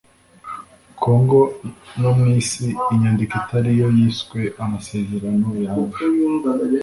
kongo no mu isi inyandiko itari yo yiswe amaserano ya arusha